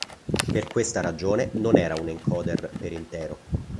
Per questa ragione non era un encoder per intero.